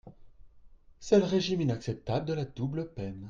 C’est le régime inacceptable de la double peine.